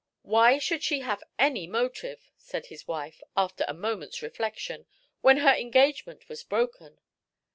"Why should she have any motive?" said his wife, after a moment's reflection "when her engagement was broken?"